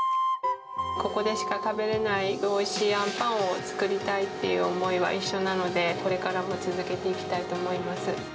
ここでしか食べれないおいしいあんパンを作りたいっていう思いは一緒なので、これからも続けていきたいと思います。